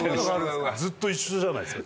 ずっと一緒じゃないですか。